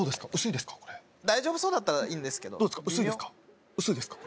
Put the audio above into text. これ大丈夫そうだったらいいんですがどうですか薄いですか？